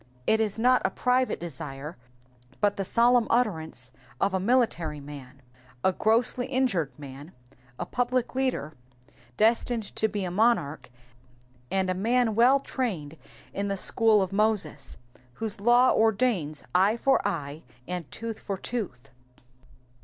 It is not a private desire, but the solemn utterance of a military man, a grossly injured man, a public leader destined to be a monarch, and a man well trained in the school of Moses, whose law ordains eye for eye, and tooth for tooth.